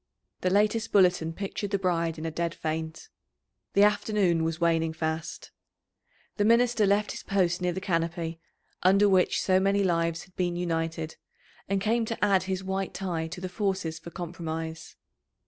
The latest bulletin pictured the bride in a dead faint. The afternoon was waning fast. The minister left his post near the canopy, under which so many lives had been united, and came to add his white tie to the forces for compromise.